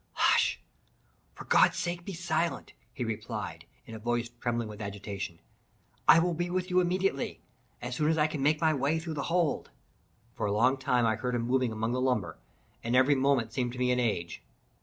"Hush! for God's sake be silent!" he replied, in a voice trembling with agitation; "I will be with you immediately—as soon as I can make my way through the hold." For a long time I heard him moving among the lumber, and every moment seemed to me an age.